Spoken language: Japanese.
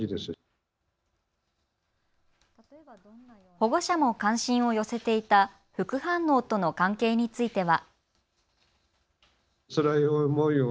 保護者も関心を寄せていた副反応との関係については。